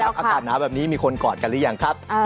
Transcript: อากาศหนาวแบบนี้มีคนกอดกันหรือยังครับ